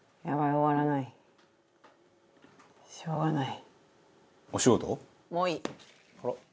しょうがない。